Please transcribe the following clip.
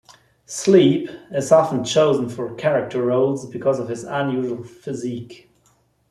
Sleep is often chosen for character roles because of his unusual physique.